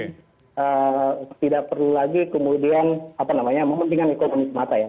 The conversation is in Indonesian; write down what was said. jadi tidak perlu lagi kemudian apa namanya mempentingkan ekonomi semata ya